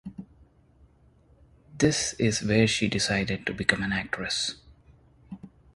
This is where she decided to become an actress.